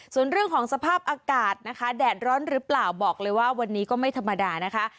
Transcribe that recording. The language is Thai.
ส่วนเรื่องของสภาพอากาศนะคะแดดร้อนหรือเปล่าบอกเลยว่าวันนี้ก็ไม่ธรรมดานะคะ